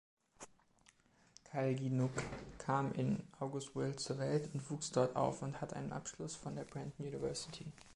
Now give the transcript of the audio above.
Kalynuk kam in Angusville zur Welt und wuchs dort auf und hat einen Abschluss von der Brandon University.